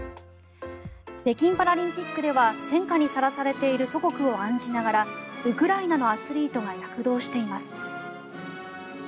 北京パラリンピックでは戦渦にさらされている祖国を案じながらウクライナのアスリートが躍動しています。